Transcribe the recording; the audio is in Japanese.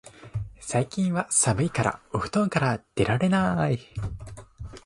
最近は寒いからお布団から出られない